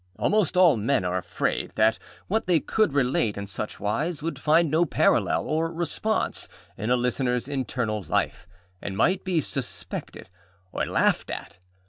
Almost all men are afraid that what they could relate in such wise would find no parallel or response in a listenerâs internal life, and might be suspected or laughed at.